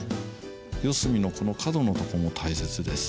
四隅の角のとこも大切です。